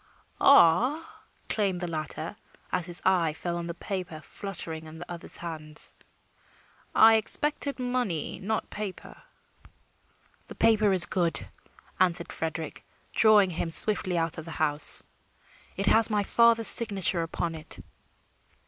"Ah," exclaimed the latter, as his eye fell on the paper fluttering in the other's hand, "I expected money, not paper." "The paper is good," answered Frederick, drawing him swiftly out of the house. "It has my father's signature upon it."